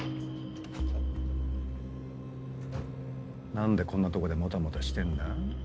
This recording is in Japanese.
何でこんなとこでモタモタしてんだ？